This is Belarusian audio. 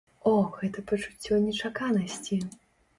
О, гэта пачуццё нечаканасці!